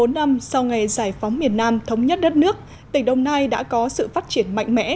bốn mươi năm sau ngày giải phóng miền nam thống nhất đất nước tỉnh đồng nai đã có sự phát triển mạnh mẽ